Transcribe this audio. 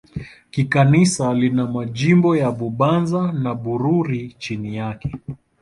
Kikanisa lina majimbo ya Bubanza na Bururi chini yake.